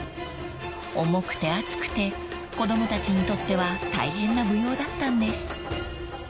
［重くて暑くて子供たちにとっては大変な舞踊だったんです］